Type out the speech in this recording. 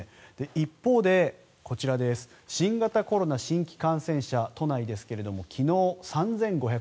一方でこちら新型コロナ新規感染者都内ですが昨日、３５４６人。